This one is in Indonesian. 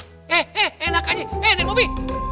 eh eh enak aja eh nenek mopi